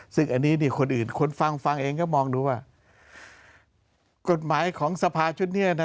ซึ่งอันนี้นี่คนอื่นคนฟังฟังเองก็มองดูว่ากฎหมายของสภาชุดนี้นะ